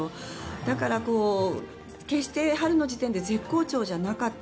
だから、決して春の時点で絶好調じゃなかった。